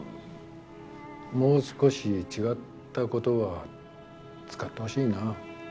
もう少し違った言葉を使ってほしいな。